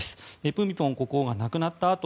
プミポン国王が亡くなったあと